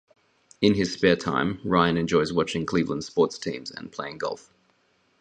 In his spare time, Ryan enjoys watching Cleveland sports teams and playing golf.